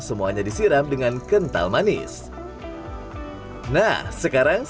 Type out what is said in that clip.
semuanya disiram dengan kental manis nah sekarang kita akan mencoba es podeng yang terkenal dengan